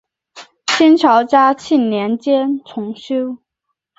清朝嘉庆年间重修。